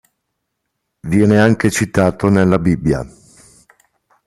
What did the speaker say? Viene anche citato nella Bibbia.